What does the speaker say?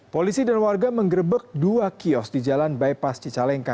polisi dan warga menggerebek dua kios di jalan bypass cicalengka